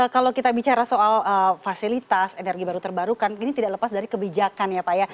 kalau kita bicara soal fasilitas energi baru terbarukan ini tidak lepas dari kebijakan ya pak ya